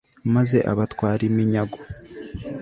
maze abatwara iminyago